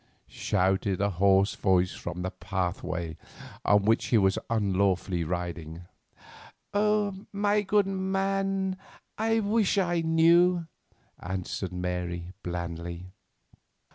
shouted a hoarse voice from the pathway on which she was unlawfully riding. "My good man, I wish I knew," answered Mary, blandly.